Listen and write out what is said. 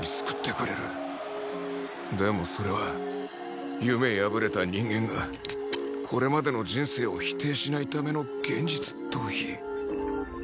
でもそれは夢破れた人間がこれまでの人生を否定しないための現実逃避